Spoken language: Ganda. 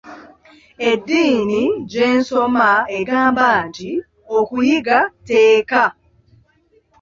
Eddiini gye nsoma egamba nti okuyiga tteeka.